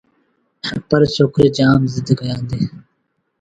پرڇوڪري جآم زد ڪيآݩدي